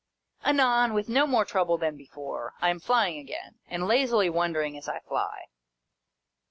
Anon, with no more trouble than before, I am flying again, and lazily wondering as I fly.